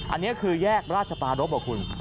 อันนี้คือแยกราชปารบเหรอคุณ